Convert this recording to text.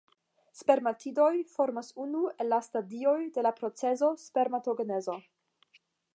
Spermatidoj formas unu el la stadioj de la procezo spermatogenezo.